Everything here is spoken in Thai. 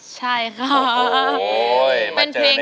ใช่ค่ะ